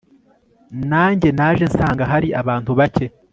nanjye naje nsanga hari abantu bacye